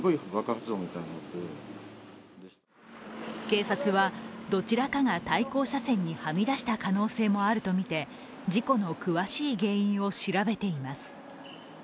警察は、どちらかが対向車線にはみ出した可能性もあるとみて事故の詳しい原因を調べています。